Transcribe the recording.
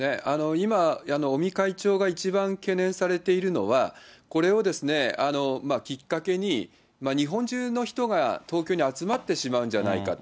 今、尾身会長が一番懸念されているのは、これをきっかけに、日本中の人が東京に集まってしまうんじゃないかと。